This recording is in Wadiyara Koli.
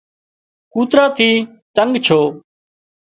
ڪوترا ٿي تنڳ ڇو